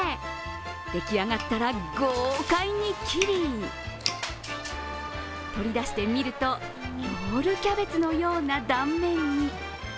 出来上がったら豪快に切り取り出してみると、ロールキャベツのような断面に。